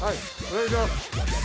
お願いします。